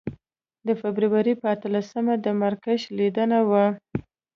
د فبروري په اتلسمه د مراکش لیدنه وه.